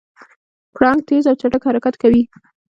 پړانګ تېز او چټک حرکت کوي.